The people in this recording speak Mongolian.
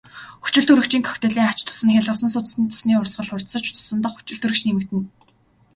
Хүчилтөрөгчийн коктейлийн ач тус нь хялгасан судасны цусны урсгал хурдсаж цусан дахь хүчилтөрөгч нэмэгдэнэ.